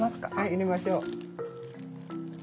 入れましょう。